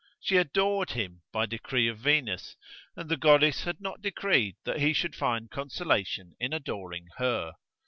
She adored him, by decree of Venus; and the Goddess had not decreed that he should find consolation in adoring her.